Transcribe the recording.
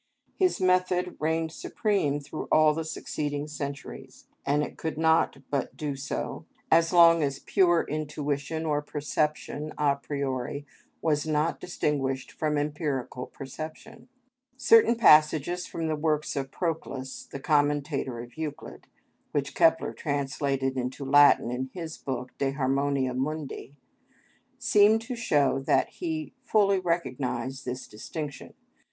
His method reigned supreme through all the succeeding centuries, and it could not but do so as long as pure intuition or perception, a priori, was not distinguished from empirical perception. Certain passages from the works of Proclus, the commentator of Euclid, which Kepler translated into Latin in his book, "De Harmonia Mundi," seem to show that he fully recognised this distinction.